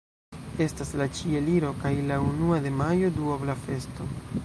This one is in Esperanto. Estas la Ĉieliro kaj la unua de majo: duobla festo.